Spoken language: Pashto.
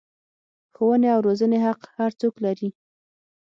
ښوونې او روزنې حق هر څوک لري.